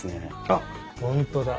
あっ本当だ。